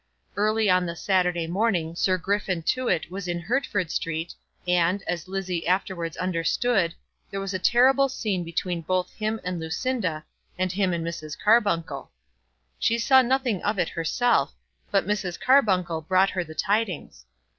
Early on the Saturday morning Sir Griffin Tewett was in Hertford Street, and, as Lizzie afterwards understood, there was a terrible scene between both him and Lucinda and him and Mrs. Carbuncle. She saw nothing of it herself, but Mrs. Carbuncle brought her the tidings.